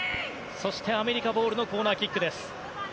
アメリカボールのコーナーキックです。